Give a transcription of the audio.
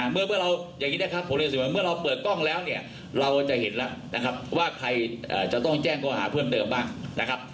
เมื่อเราเปิดกล้องแล้วเนี่ยเราจะเห็นแล้วนะครับว่าใครจะต้องแจ้งก็หาเพื่อนเดิมบ้างนะครับ